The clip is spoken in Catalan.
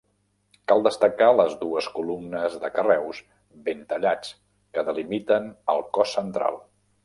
Cal destacar les dues columnes de carreus ben tallats que delimiten el cos central.